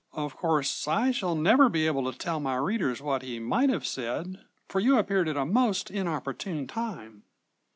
"Of course, I shall never be able to tell my readers what he might have said, for you appeared at a most inopportune time.